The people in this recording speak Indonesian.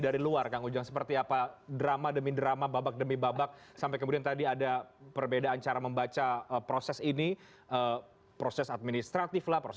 dari luar mudah mudahan belum bosen ya kita bahas